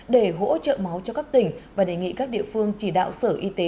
để hỗ trợ máu cho các tỉnh và đề nghị các địa phương chỉ đạo sở y tế